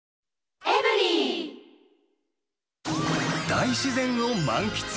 大自然を満喫！